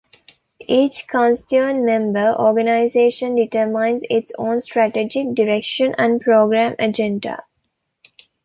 Each constituent member organization determines its own strategic direction and program agenda.